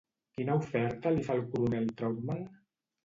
Quina oferta li fa el coronel Trautman?